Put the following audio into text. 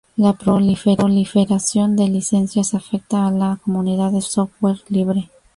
La proliferación de licencias afecta a la comunidad del software libre.